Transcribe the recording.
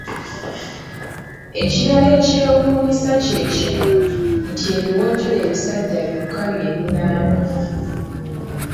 Ekirala ekyewuunyisa kye kino nti ebiwojjolo ebisajja byokka bye binaaba.